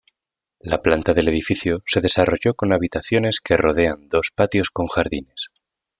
La planta del edificio se desarrolló con habitaciones que rodean dos patios con jardines.